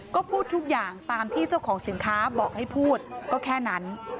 ก็พูดทุกอย่างตามที่เจ้าของสินค้าบอกให้พูดก็แค่นั้น